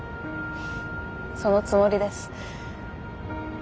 そのつもりです。